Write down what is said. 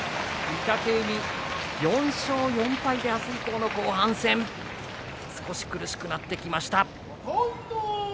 御嶽海４勝４敗で明日以降の後半戦、少し苦しくなってきました。